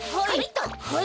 はい。